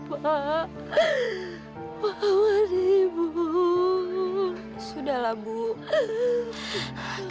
karena ibu sudah terbaik